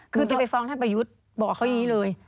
คือจะไปฟ้องท่านประยุทธ์บอกเขาอย่างนี้เลย